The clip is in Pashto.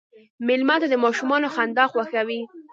مېلمه ته د ماشومانو خندا خوښوي.